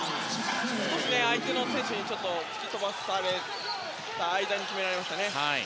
少し相手の選手に突き飛ばされている間に決められましたね。